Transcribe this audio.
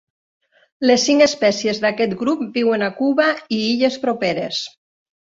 Les cinc espècies d'aquest grup viuen a Cuba i illes properes.